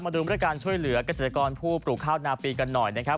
ดูเรื่องการช่วยเหลือกเกษตรกรผู้ปลูกข้าวนาปีกันหน่อยนะครับ